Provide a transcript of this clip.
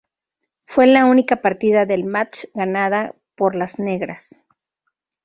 Fue la única partida del match ganada por las negras.